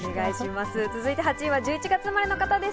続いて８位は１１月生まれの方です。